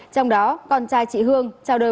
trong đó con trai chị hương trào đời